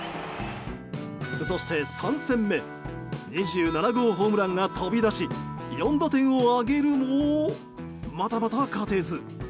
そして３戦目２７号ホームランが飛び出し４打点を挙げるもまたまた勝てず。